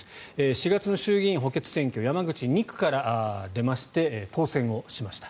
４月の衆議院補欠選挙山口２区から出まして当選をしました。